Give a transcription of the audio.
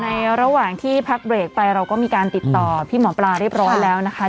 ระหว่างที่พักเบรกไปเราก็มีการติดต่อพี่หมอปลาเรียบร้อยแล้วนะคะ